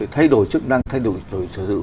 thay đổi chức năng thay đổi chủ sở hữu